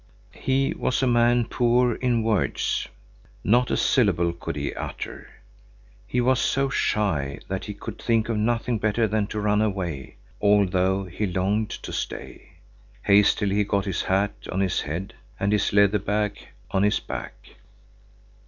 He was a man poor in words. Not a syllable could he utter. He was so shy that he could think of nothing better than to run away, although he longed to stay. Hastily he got his hat on his head and his leather bag on his back.